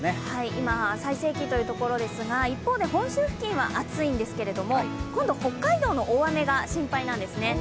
今、最盛期というところですが、一方で本州付近は暑いんですけれども、今度、北海道の大雨が心配なんですね。